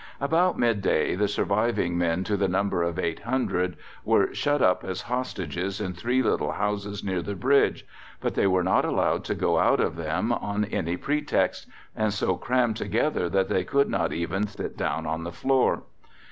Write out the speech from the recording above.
About midday the surviving men to the number of 800 were shut up as hostages in three little houses near the bridge, but they were not allowed to go out of them on any pretext, and so crammed together that they could not even sit down on the floor.